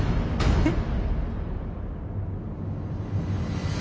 えっ？